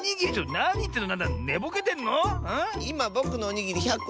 なにいってんの！